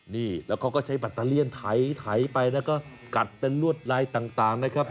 นี่แล้วเขาก็ใช้แบตเตอเลี่ยนไถไปแล้วก็กัดเป็นลวดลายต่างนะครับ